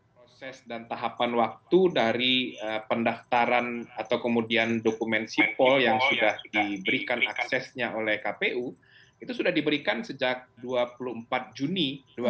proses dan tahapan waktu dari pendaftaran atau kemudian dokumen sipol yang sudah diberikan aksesnya oleh kpu itu sudah diberikan sejak dua puluh empat juni dua ribu dua puluh